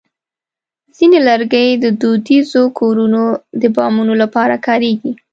ځینې لرګي د دودیزو کورونو د بامونو لپاره کارېږي.